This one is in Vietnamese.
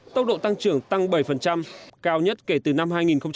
tốc độ tăng trưởng tăng bảy cao nhất kể từ năm hai nghìn một mươi